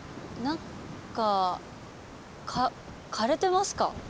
なんか枯れてますか？